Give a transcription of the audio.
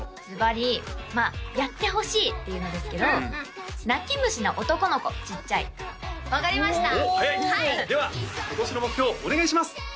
ずばりまあやってほしいっていうのですけど泣き虫な男の子ちっちゃい分かりましたおっ早いでは今年の目標お願いします